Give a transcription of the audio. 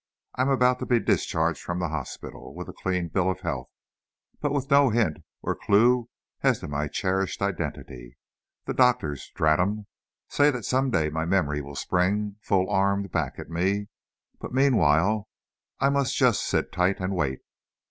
I'm about to be discharged from the hospital, with a clean bill of health, but with no hint or clew as to my cherished identity. The doctors drat 'em! say that some day my memory will spring, full armed, back at me, but meanwhile, I must just sit tight and wait.